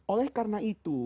oleh karena itu